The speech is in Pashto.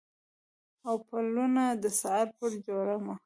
او پلونه د سهار پر جوړمه